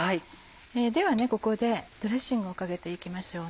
ではここでドレッシングをかけて行きましょうね。